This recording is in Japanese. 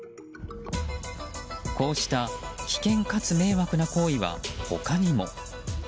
こうした危険かつ迷惑な行為は他にも。